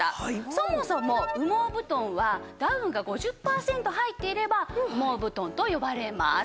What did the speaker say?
そもそも羽毛布団はダウンが５０パーセント入っていれば羽毛布団と呼ばれます。